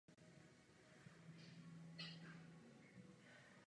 Vádí směřuje k jihu mírně zvlněnou a zemědělsky využívanou krajinou.